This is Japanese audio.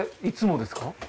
いつもですか？